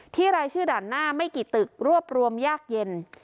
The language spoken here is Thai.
รายชื่อด่านหน้าไม่กี่ตึกรวบรวมยากเย็น